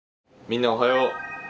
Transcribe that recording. みんなおはよう。